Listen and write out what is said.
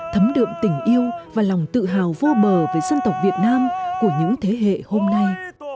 thấm đượm tình yêu và lòng tự hào vô bờ về dân tộc việt nam của những thế hệ hôm nay